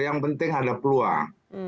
yang penting ada peluang